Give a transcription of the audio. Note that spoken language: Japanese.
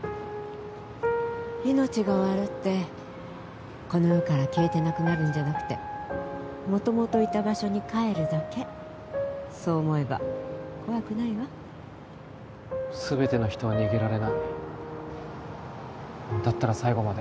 命が終わるってこの世から消えてなくなるんじゃなくて元々いた場所に帰るだけそう思えば怖くないわ全ての人は逃げられないだったら最後まで